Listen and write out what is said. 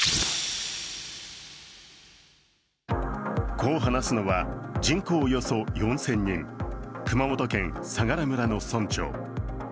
こう話すのは人口およそ４０００人、熊本県相良村の村長。